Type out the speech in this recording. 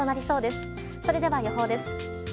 それでは予報です。